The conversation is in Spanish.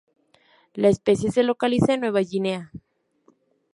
La especie se localizan en Nueva Guinea.